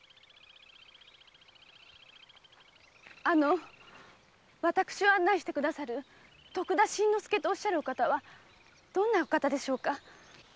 あの私を案内してくださる徳田新之助とおっしゃるお方はどんなお方でしょうか？